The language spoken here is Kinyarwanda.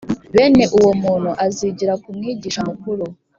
bene uwo muntu azigira ku mwigisha mukuru.